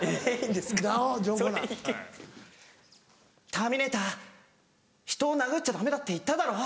「ターミネーター人を殴っちゃダメだって言っただろ」。